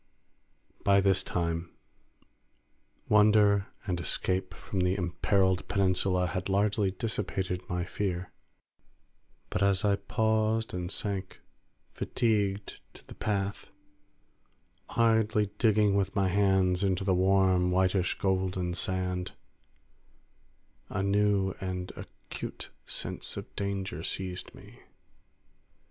By this time wonder and' escape from the imperilled peninsula had largely dissipated my fear, but as I paused and sank fatigued to the path, idly digging with my hands into the warm, whitish golden sand, a new and acute sense of danger seized me.